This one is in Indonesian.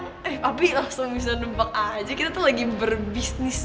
eh tapi langsung bisa nebak aja kita tuh lagi berbisnis